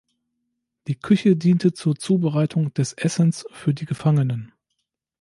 Die Küche diente zur Zubereitung des Essens für die Gefangenen.